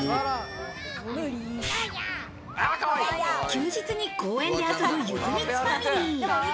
休日に公園で遊ぶゆずみつファミリー。